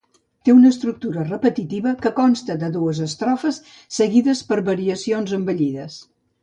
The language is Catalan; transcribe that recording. Té una estructura repetitiva que consta de dues estrofes seguides per variacions embellides.